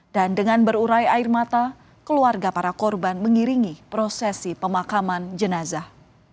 dan dengan berurai air mata keluarga para korban mengiringi prosesi pemakaman jenazah